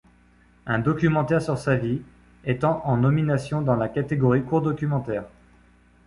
Un documentaire sur sa vie, étant en nomination dans la catégorie court documentaire.